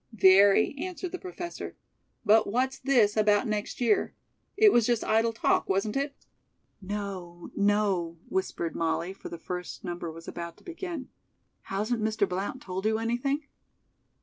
"Very!" answered the Professor, "but what's this about next year? It was just idle talk, wasn't it?" "No, no," whispered Molly, for the first number was about to begin; "hasn't Mr. Blount told you anything?"